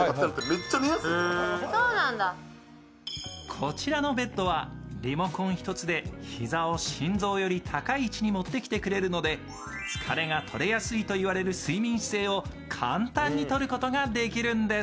こちらのベッドはリモコン一つで膝を心臓より高い位置に持ってきてくれるので疲れが取れやすいといわれる睡眠姿勢を簡単にとることができるんです。